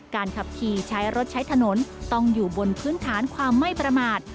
ขับขี่ใช้รถใช้ถนนต้องอยู่บนพื้นฐานความไม่ประมาท